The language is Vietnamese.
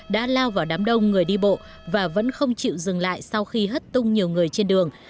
đã lao vào đám đông người đi bộ và vẫn không chịu dừng lại sau khi hất tung nhiều người trên đường